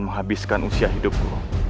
menghabiskan usia hidupku